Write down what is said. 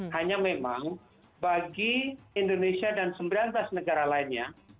hanya memang bagi indonesia dan sembilan belas negara lainnya